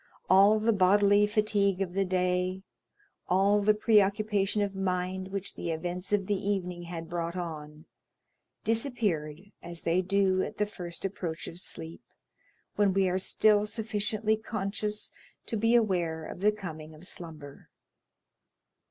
All the bodily fatigue of the day, all the preoccupation of mind which the events of the evening had brought on, disappeared as they do at the first approach of sleep, when we are still sufficiently conscious to be aware of the coming of slumber.